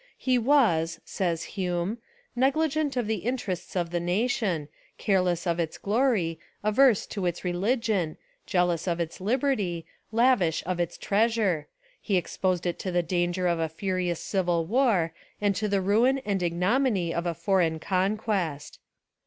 "He was," 278 A Rehabilitation of Charles II says Hume, "negligent of the interests of the nation, careless of its glory, averse to its reli gion, jealous of its liberty, lavish of its treas ure, ... he exposed it to the danger of a furious civil war, and to the ruin and ignominy of a foreign conquest."